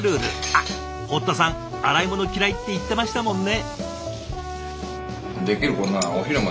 あっ堀田さん洗い物嫌いって言ってましたもんね。